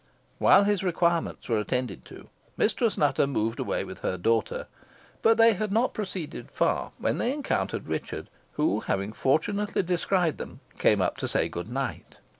While his requirements were attended to, Mistress Nutter moved away with her daughter; but they had not proceeded far when they encountered Richard, who, having fortunately descried them, came up to say good night.